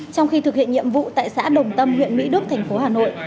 trong khi thực hiện nhiệm vụ tại xã đồng tâm huyện mỹ đức thành phố hà nội